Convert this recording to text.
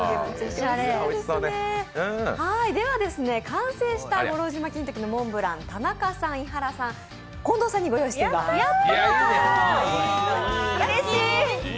完成した五郎島金時のモンブラン、田中さん、伊原さん、近藤さんにご用意しています。